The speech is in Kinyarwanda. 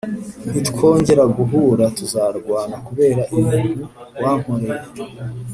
Nitwongera guhura tuzarwana kubera ibintu wankoreye